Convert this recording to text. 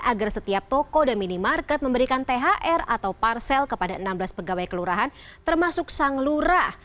agar setiap toko dan minimarket memberikan thr atau parsel kepada enam belas pegawai kelurahan termasuk sang lurah